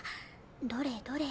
どれどれ。